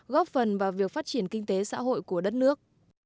góp phần vào việc phát triển kinh tế xã hội của đất nước